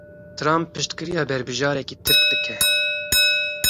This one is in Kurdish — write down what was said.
Trump piştgiriya berbijarekî Tirk dike.